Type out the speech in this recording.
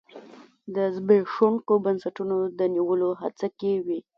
د زبېښونکو بنسټونو د نیولو هڅه کې وي.